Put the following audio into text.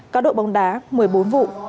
cao độ bóng đá một mươi bốn vụ